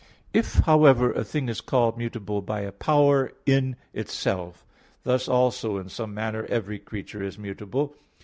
If, however, a thing is called mutable by a power in itself, thus also in some manner every creature is mutable.